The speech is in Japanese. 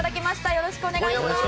よろしくお願いします。